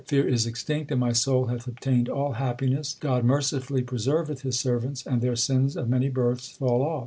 Fear is extinct and my soul hath obtained all happiness. God mercifully preserveth His servants, And their sins of many births fall off.